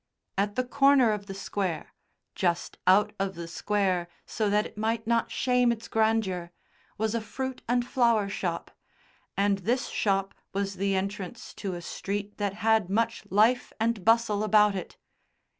At the corner of the Square just out of the Square so that it might not shame its grandeur was a fruit and flower shop, and this shop was the entrance to a street that had much life and bustle about it.